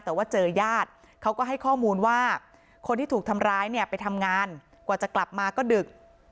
แต่ว่าเจอญาติเขาก็ให้ข้อมูลว่าคนที่ถูกทำร้ายเนี่ยไปทำงานกว่าจะกลับมาก็ดึก